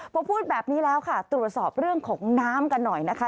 พอพูดแบบนี้แล้วค่ะตรวจสอบเรื่องของน้ำกันหน่อยนะคะ